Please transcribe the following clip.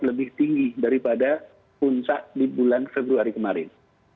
lebih tinggi daripada puncak di bulan februari kemarin